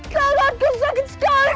kalau aku sakit sekali